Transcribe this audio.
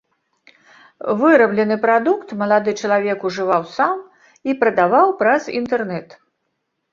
Выраблены прадукт малады чалавек ужываў сам і прадаваў праз інтэрнэт.